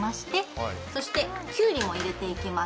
きゅうりも入れていきます。